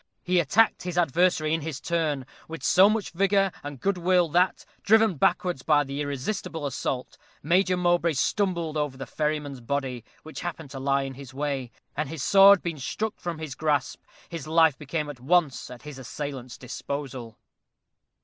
He attacked his adversary in his turn, with so much vigor and good will, that, driven backwards by the irresistible assault, Major Mowbray stumbled over the ferryman's body, which happened to lie in his way; and his sword being struck from his grasp, his life became at once at his assailant's disposal.